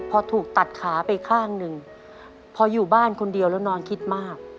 พอถูกตัดขาไปข้างหนึ่งพออยู่บ้านคนเดียวแล้วนอนคิดมาก